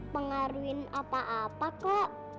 pengaruhin apa apa kok